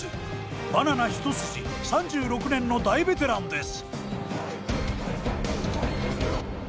バナナ一筋３６年の大ベテランです。